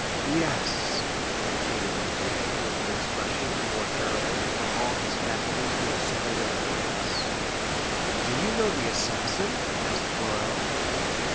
"Yes," indicated Noirtier, with an expression the more terrible, from all his faculties being centred in his glance. "Do you know the assassin?" asked Morrel.